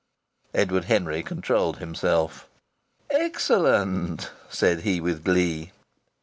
Edward Henry controlled himself. "Excellent!" said he, with glee. "Mr.